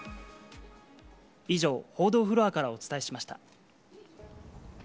以上、報道フロアからお伝えしました。